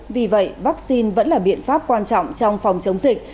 vì vậy vaccine vẫn là biện pháp quan trọng trong phòng chống dịch